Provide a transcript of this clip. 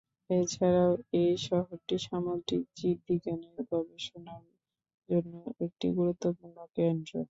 এছাড়াও এই শহরটি সামুদ্রিক জীববিজ্ঞানের গবেষণার জন্য একটি গুরুত্বপূর্ণ কেন্দ্র।